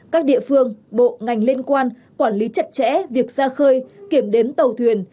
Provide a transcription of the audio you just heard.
các địa phương bộ ngành liên quan quản lý chặt chẽ việc ra khơi kiểm đếm tàu thuyền